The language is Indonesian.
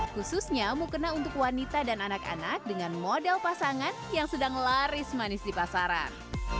khususnya mukena untuk wanita dan anak anak dengan model pasangan yang sedang laris manis di pasaran